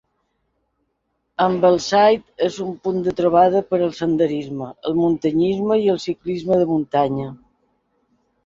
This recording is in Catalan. Ambleside és un punt de trobada per al senderisme, el muntanyisme i el ciclisme de muntanya.